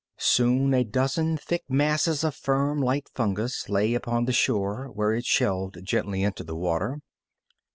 Soon a dozen thick masses of firm, light fungus lay upon the shore where it shelved gently into the water.